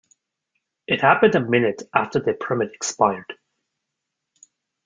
It happened a minute after the permit expired.